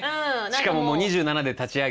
しかも２７で立ち上げて。